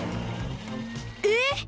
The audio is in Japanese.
えっ！